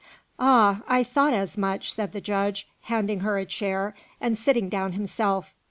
"Ah! I thought as much!" said the judge, handing her a chair, and sitting down himself.